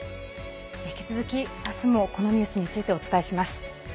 引き続き明日もこのニュースについてお伝えします。